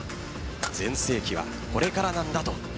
全盛期はこれからなんだという